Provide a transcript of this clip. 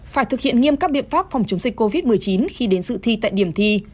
phải thực hiện nghiêm các biện pháp phòng chống dịch covid một mươi chín khi đến sự thi tại điểm thi